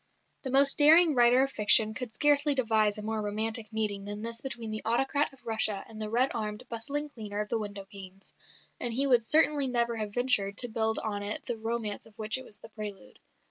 The most daring writer of fiction could scarcely devise a more romantic meeting than this between the autocrat of Russia and the red armed, bustling cleaner of the window panes, and he would certainly never have ventured to build on it the romance of which it was the prelude.